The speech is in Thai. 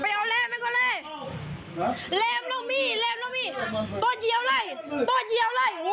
ไปเอาเร็มให้ครับ